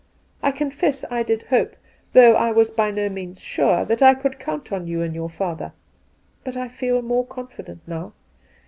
I confess I did hope, though I was by no means sure, that I could count on you and your father ; but I feel more confident now.